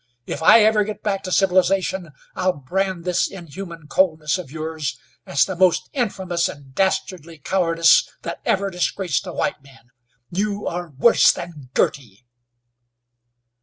If I ever get back to civilization I'll brand this inhuman coldness of yours, as the most infamous and dastardly cowardice that ever disgraced a white man. You are worse than Girty!"